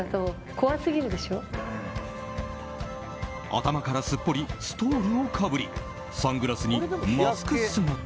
頭からすっぽりストールをかぶりサングラスにマスク姿。